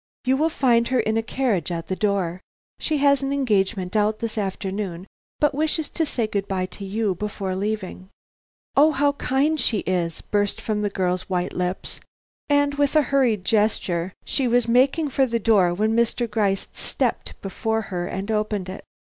"You will find her in a carriage at the door. She has an engagement out this afternoon, but wishes to say good bye to you before leaving." "Oh, how kind she is!" burst from the girl's white lips; and with a hurried gesture she was making for the door when Mr. Gryce stepped before her and opened it.